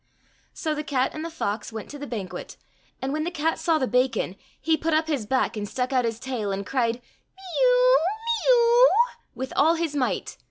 So the cat and the fox went to the banquet, and when the cat saw the bacon, he put up his back and stuck out his tail, and cried, " Mee oo, mee oo !" with all his might.